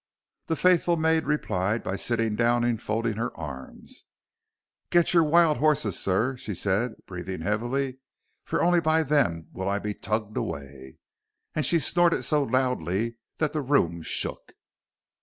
The faithful maid replied by sitting down and folding her arms. "Get your wild horses, sir," she said, breathing heavily, "for only by them will I be tugged away." And she snorted so loudly that the room shook.